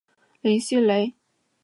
林熙蕾。